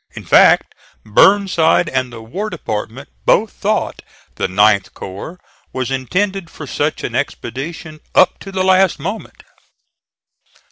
In fact Burnside and the War Department both thought the 9th corps was intended for such an expedition up to the last moment.